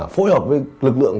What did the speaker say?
phối hợp với lực lượng